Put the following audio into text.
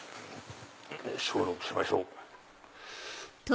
消毒しましょう。